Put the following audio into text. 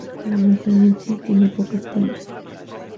La montaña en sí, tiene pocas cumbres.